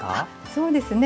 そうですね。